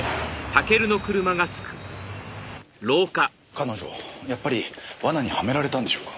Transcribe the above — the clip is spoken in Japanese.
彼女やっぱり罠にはめられたんでしょうか？